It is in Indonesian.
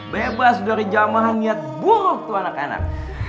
bebas dari jamahan niat buruk itu anak anak